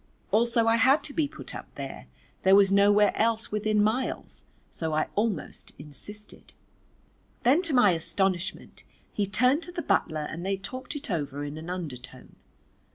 I was sure that this was untrue, also I had to be put up there, there was nowhere else within miles, so I almost insisted. Then to my astonishment he turned to the butler and they talked it over in an undertone.